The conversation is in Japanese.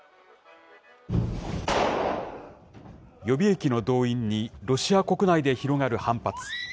予備役の動員に、ロシア国内で広がる反発。